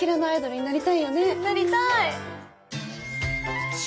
なりたい！